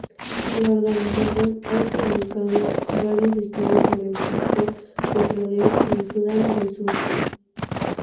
La organización ha publicado varios estudios sobre el sector petrolero en Sudán del Sur.